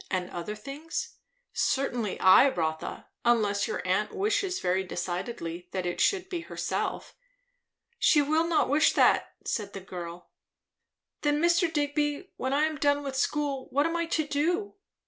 and other things? Certainly I, Rotha, unless your aunt wishes very decidedly that it should be herself." "She will not wish that," said the girl. "Then, Mr. Digby, when I am done with school what am I to do?